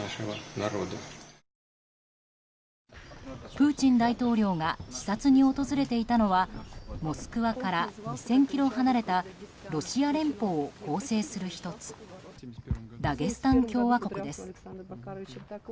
プーチン大統領が視察に訪れていたのはモスクワから２０００ｋｍ離れたロシア連邦を構成する１つダゲスタン共和国です。